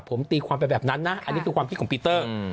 ผมตีความไปแบบนั้นนะอันนี้คือความคิดของปีเตอร์